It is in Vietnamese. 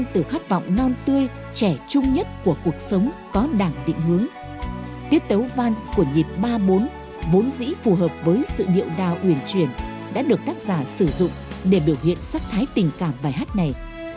từ khát vọng non tươi trẻ trung nhất của cuộc sống có đảng định hướng tiết tấu vans của nhịp ba bốn vốn dĩ phù hợp với sự điệu đào huyền truyền đã được tác giả sử dụng để biểu hiện sắc thái tình cảm bài hát này